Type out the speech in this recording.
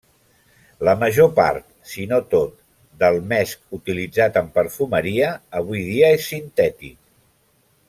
La major part, si no tot, del mesc utilitzat en perfumeria avui dia és sintètic.